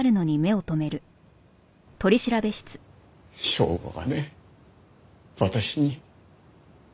祥吾がね私に。